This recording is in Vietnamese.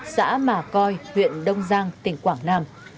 xã mà coi huyện đông giang tỉnh quảng nam